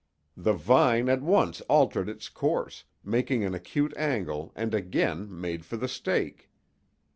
The vine at once altered its course, making an acute angle, and again made for the stake.